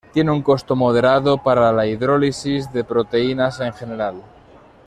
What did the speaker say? Tiene un costo moderado para la hidrólisis de proteínas en general.